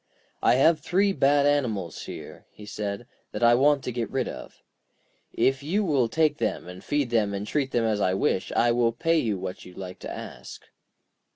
'I have three bad animals here,' he said, 'that I want to get rid of. If you will take them and feed them, and treat them as I wish, I will pay you what you like to ask.'